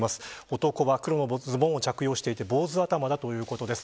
男は黒のズボンを着用していて坊主頭だということです。